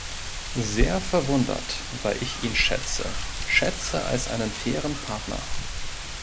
Sehr verwundert, weil ich ihn schätze, schätze als einen fairen Partner.